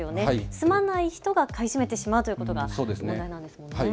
住まない人が買い占めてしまうということが問題なんですもんね。